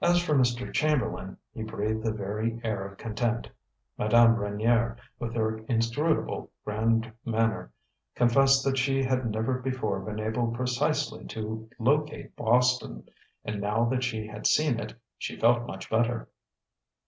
As for Mr. Chamberlain, he breathed the very air of content. Madame Reynier, with her inscrutable grand manner, confessed that she had never before been able precisely to locate Boston, and now that she had seen it, she felt much better.